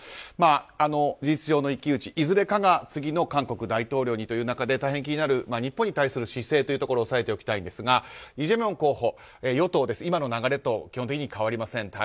事実上の一騎打ち、いずれかが次の韓国大統領という中で大変気になる日本に対する姿勢というところを押さえておきたいんですがイ・ジェミョン候補、与党ですが今の流れと基本的に変わりません。